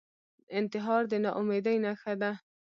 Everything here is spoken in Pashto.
انتحار د ناامیدۍ نښه ده